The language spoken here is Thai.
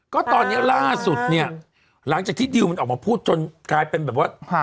ก็ตอนนี้ล่าสุดเนี่ยหลังจากที่ดิวมันออกมาพูดจนกลายเป็นแบบว่า